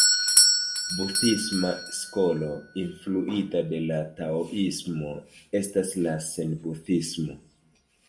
Budhisma skolo influita de la taoismo estas la zen-budhismo.